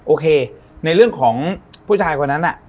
โอเคในเรื่องของผู้ชายคนนั้นน่ะ